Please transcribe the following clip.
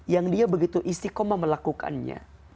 yang dia begitu istiqomah melakukannya